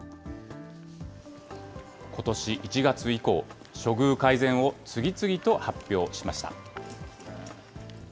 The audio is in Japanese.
ことし１月以降、処遇改善を次々と発表しました。